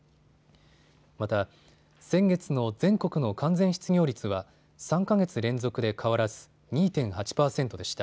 また、先月の全国の完全失業率は３か月連続で変わらず２．８％でした。